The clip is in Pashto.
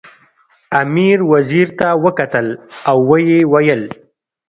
امیر وزیر ته وکتل او ویې ویل.